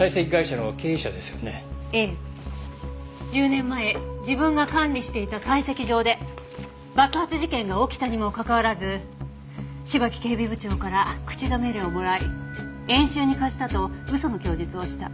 １０年前自分が管理していた採石場で爆発事件が起きたにもかかわらず芝木警備部長から口止め料をもらい演習に貸したと嘘の供述をした。